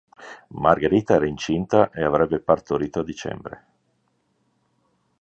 Margherita era incinta e avrebbe partorito a dicembre.